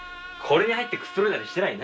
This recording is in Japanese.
これに入ってくつろいだりしてない？